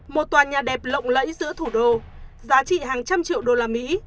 một tòa nhà đẹp lộng lẫy giữa thủ đô giá trị hàng trăm triệu đô la mỹ